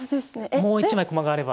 もう一枚駒があれば。